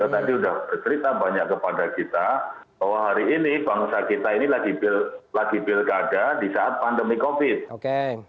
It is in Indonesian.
tadi sudah bercerita banyak kepada kita bahwa hari ini bangsa kita ini lagi pilkada di saat pandemi covid